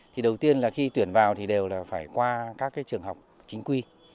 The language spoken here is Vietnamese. thì đầu tiên là khi tuyển vào thì đều là phải qua các trường học chính quy